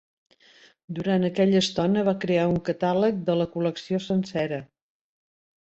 Durant aquella estona va crear un catàleg de la col·lecció sencera.